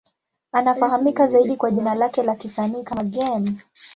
Anafahamika zaidi kwa jina lake la kisanii kama Game.